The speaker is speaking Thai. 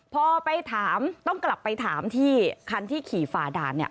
พอไปถามต้องกลับไปถามที่คันที่ขี่ฝ่าด่านเนี่ย